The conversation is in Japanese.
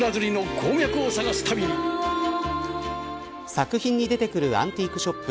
作品に出てくるアンティークショップ